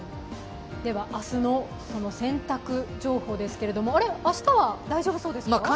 では、明日の洗濯情報ですけども明日は大丈夫そうですか？